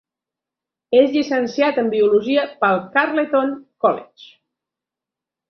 És llicenciat en Biologia pel Carleton College.